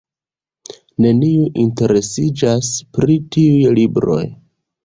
Neniu interesiĝas pri tiuj libroj.